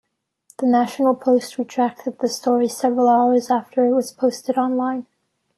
The "National Post" retracted the story several hours after it was posted online.